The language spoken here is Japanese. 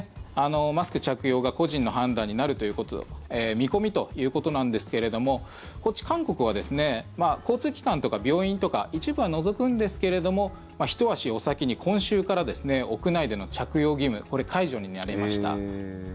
マスク着用が個人の判断になるという見込みということなんですけれどこっち、韓国は交通機関とか病院とか一部は除くんですけれどもひと足お先に今週から屋内での着用義務これ、解除になりました。